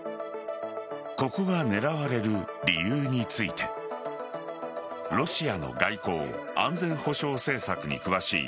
ここが狙われる理由についてロシアの外交・安全保障政策に詳しい